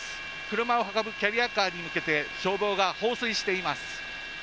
車を運ぶキャリアカーに向けて消防が放水しています。